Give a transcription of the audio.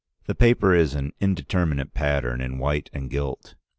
The paper is an indeterminate pattern in white and gilt.